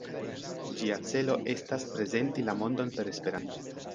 Ĝia celo estas "prezenti la mondon per Esperanto".